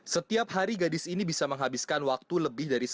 setiap hari gadis ini bisa menghabiskan waktu lebih dari satu jam